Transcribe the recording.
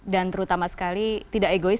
dan terutama sekali tidak egois